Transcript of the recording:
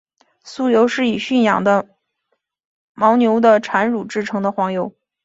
酥油是以驯养的牦牛的产乳制成的黄油。